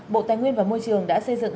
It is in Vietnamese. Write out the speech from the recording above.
bộ tài nguyên và môi trường đã xây dựng